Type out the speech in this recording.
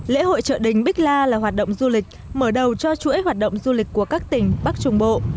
lễ hội chợ đình bích la là hoạt động du lịch mở đầu cho chuỗi hoạt động du lịch của các tỉnh bắc trung bộ